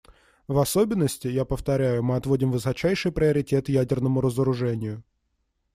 В особенности, я повторяю, мы отводим высочайший приоритет ядерному разоружению.